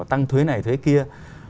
tăng thuế này thuế kia